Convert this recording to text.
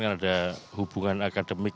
ada hubungan akademik